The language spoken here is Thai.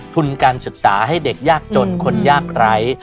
ทุนการศึกษาให้เด็กยากจนคนยากไร้